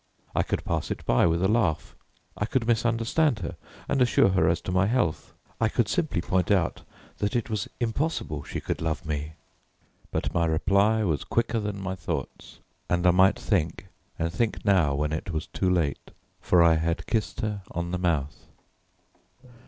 I could pass it by with a laugh, I could misunderstand her and assure her as to my health, I could simply point out that it was impossible she could love me. But my reply was quicker than my thoughts, and I might think and think now when it was too late, for I had kissed her on the mouth.